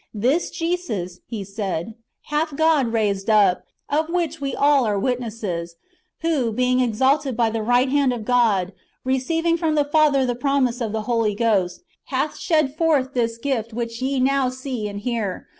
This Jesus," he said, " hath God raised up, of which, w^e all are witnesses : who, being exalted by the right hand of God, receiving from the Father the promise of the Holy Ghost, hath shed forth this gift^ which ye now see and hear.